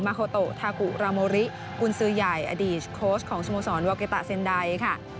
มาโคโตทากุรามโมริอุลซื้อใหญ่อดีตโค้ชของสมสรรค์เวิร์กิตาเซ็นไดค่ะ